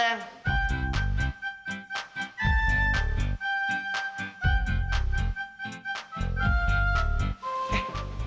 eh ntar kita buka puasa bareng